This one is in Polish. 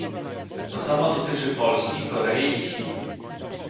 To samo dotyczy Polski, Korei i Chin